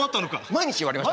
毎日言われました。